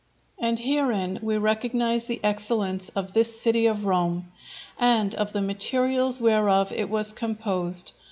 And herein we recognize the excellence of this city of Rome, and of the materials whereof it was composed.